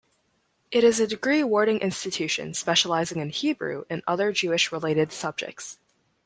It is a degree-awarding institution, specialising in Hebrew and other Jewish related subjects.